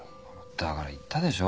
だから言ったでしょ。